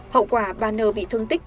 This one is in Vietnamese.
hậu quả bà n bị thương tích